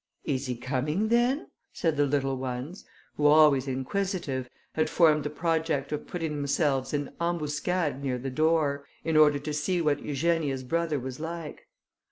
"Is he coming, then?" said the little ones, who, always inquisitive, had formed the project of putting themselves in ambuscade near the door, in order to see what Eugenia's brother was like.